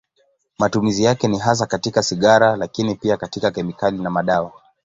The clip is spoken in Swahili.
Matumizi yake ni hasa katika sigara, lakini pia katika kemikali na madawa.